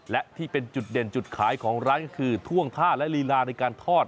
และที่เป็นจุดเด่นจุดขายของร้านก็คือท่วงท่าและลีลาในการทอด